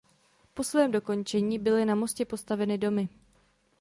Po svém dokončení byly na mostě postaveny domy.